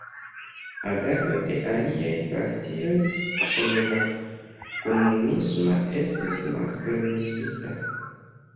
Agado de aliaj partioj ol la komunisma estis malpermesita.